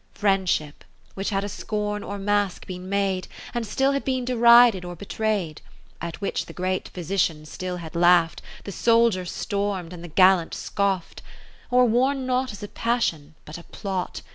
Friendship, which had a scorn or mask been made, And still had been derided or be tray'd; lo At which the great physician still had laugh'd, The soldier stormed \ and the gallant scoffd ; Or worn not as a passion, but a plot.